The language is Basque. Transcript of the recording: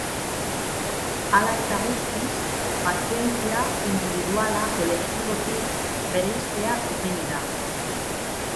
Hala eta guztiz, pazientzia indibiduala kolektibotik bereiztea komeni da.